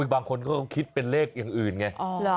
บางคนก็คิดเป็นเลขอย่างอื่นไง